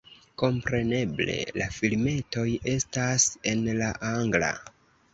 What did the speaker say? Kompreneble la filmetoj estas en la angla.